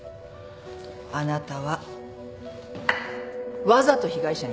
あなたはわざと被害者になった。